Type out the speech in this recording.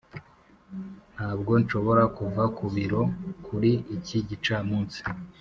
ntabwo nshobora kuva ku biro kuri iki gicamunsi.